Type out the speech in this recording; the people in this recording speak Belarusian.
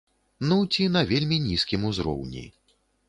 Ну, ці на вельмі нізкім узроўні.